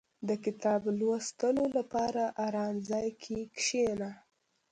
• د کتاب لوستلو لپاره آرام ځای کې کښېنه.